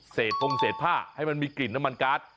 พงเศษผ้าให้มันมีกลิ่นน้ำมันการ์ด